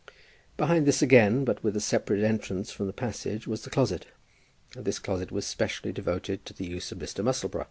Behind this again, but with a separate entrance from the passage, was the closet; and this closet was specially devoted to the use of Mr. Musselboro.